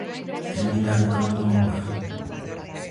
Terminar o camiño no mar.